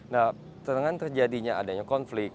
nah dengan terjadinya adanya konflik